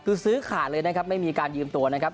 คือซื้อขาดเลยนะครับไม่มีการยืมตัวนะครับ